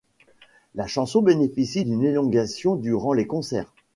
La chanson bénéficie d'une élongation durant les concert.